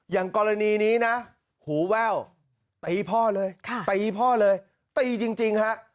อย่างกรณีนี้นะหูแว่วตีพ่อเลยตีพ่อเลยตีจริงฮะ